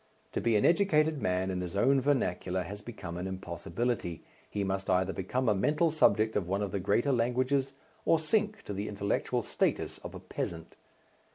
To be an educated man in his own vernacular has become an impossibility, he must either become a mental subject of one of the greater languages or sink to the intellectual status of a peasant.